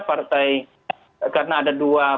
partai karena ada dua